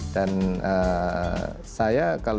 dan saya kalau diberikan